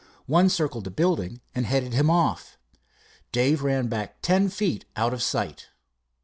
One circled the building and headed him off. Dave ran back ten feet out of sight.